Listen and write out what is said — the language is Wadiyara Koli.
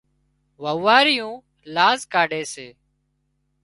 وئوئاريون لاز ڪاڍي سي